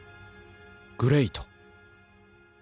「グレイト！」。